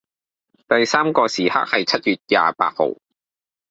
第三個時刻係七月廿八號